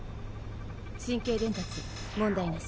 神経伝達問題なし。